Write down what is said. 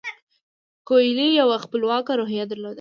کویلیو یوه خپلواکه روحیه درلوده.